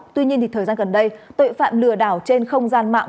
tuy nhiên thời gian gần đây tội phạm lừa đảo trên không gian mạng